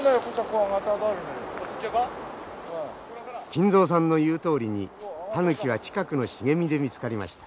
金蔵さんの言うとおりにタヌキは近くの茂みで見つかりました。